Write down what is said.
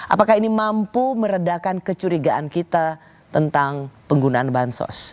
apakah ini mampu meredakan kecurigaan kita tentang penggunaan bansos